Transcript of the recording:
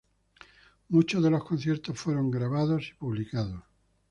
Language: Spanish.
Muchos de los conciertos fueron grabados y publicados.